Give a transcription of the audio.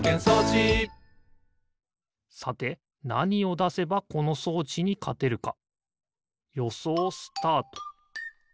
さてなにをだせばこの装置にかてるかよそうスタート！